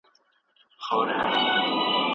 چې ولس یې پکې د ریښتیني